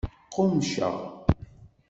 Qqummceɣ.